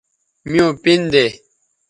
میوں پِن دے